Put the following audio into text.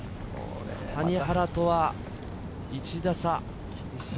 谷原とは１打差。